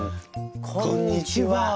こんにちは。